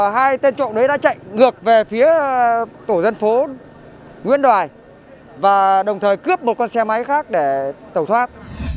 hai tên trộm đấy đã chạy ngược về phía tổ dân phố nguyễn đoài và đồng thời cướp một con xe máy khác để tẩu thoát